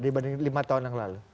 dibanding lima tahun yang lalu